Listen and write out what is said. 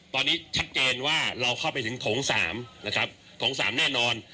ตอนนี้ชัดเจนว่าเราเข้าไปถึงโถง๓นะครับโถง๓แน่นอน